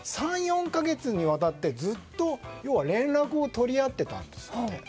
３４か月にわたってずっと連絡を取り合っていたんですって。